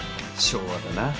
昭和だな。